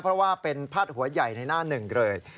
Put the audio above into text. เพราะว่าเป็นพาดหัวใหญ่ในหน้าหนึ่งเลย